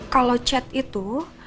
kalau chat itu